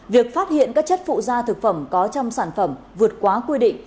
việc phát hiện các chất phụ da thực phẩm có trong sản phẩm vượt quá quy định